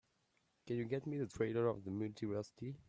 can you get me the trailer of The Multiversity?